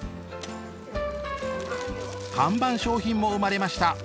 看板商品も生まれました。